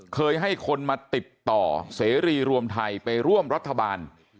เคยให้คนมาติดต่อเสรีรวมไทยไปร่วมรัฐบาล